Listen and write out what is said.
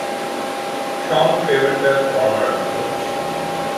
Sonck favoured the former approach.